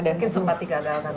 mungkin sempat di gagal kan